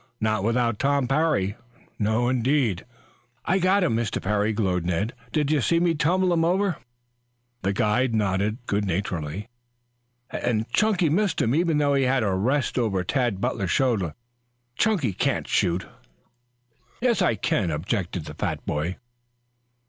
Not without Tom Parry no, indeed!" "I got him, Mr. Parry," glowed Ned. "Did you see me tumble him over?" The guide nodded good naturedly. "And Chunky missed him, even though he had a rest over Tad Butler's shoulder. Chunky can't shoot." "Yes, I can, too," objected the fat boy.